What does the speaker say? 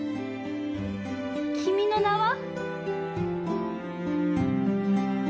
「君の名は。」？